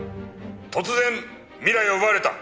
突然未来を奪われた。